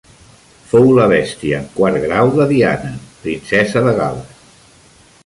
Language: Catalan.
Fou la bestia en quart grau de Diana, princesa de Gal·les.